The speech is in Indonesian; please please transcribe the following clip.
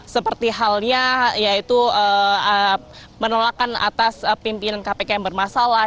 seperti halnya yaitu menolakan atas pimpinan kpk yang bermasalah